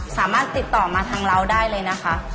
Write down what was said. สามารถติดต่อมาทางเราได้เลยนะคะ